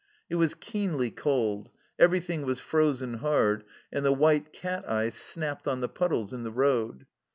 It was keenly cold, everything was frozen hard, and the white cat ice snapped on the puddles in the road.